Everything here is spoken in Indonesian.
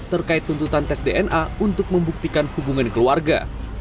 terkait tuntutan tes dna untuk membuktikan hubungan keluarga